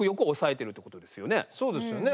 そうですよね。